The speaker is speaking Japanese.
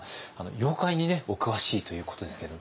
妖怪にお詳しいということですけども。